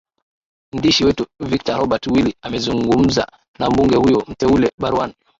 ndishi wetu victor robert willy amezungumuza na mbunge huyo mteule barwan